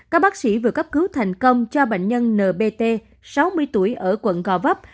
các bác sĩ vừa cấp cứu thành công cho bệnh nhân nbt sáu mươi tuổi ở quận gò vấp